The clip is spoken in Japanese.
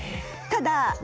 ただ？